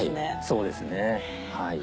そうですね。